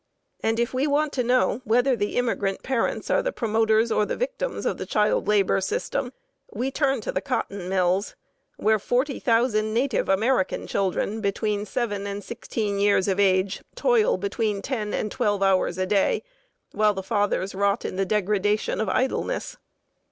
And if we want to know whether the immigrant parents are the promoters or the victims of the child labor system, we turn to the cotton mills, where forty thousand native American children between seven and sixteen years of age toil between ten and twelve hours a day, while the fathers rot in the degradation of idleness.